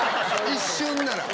一瞬なら！